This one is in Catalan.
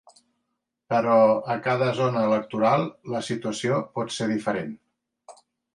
Però a cada zona electoral la situació pot ser diferent.